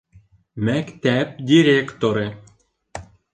Мәктәп директоры